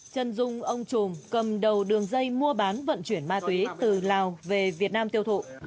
trần dung ông trùm cầm đầu đường dây mua bán vận chuyển ma túy từ lào về việt nam tiêu thụ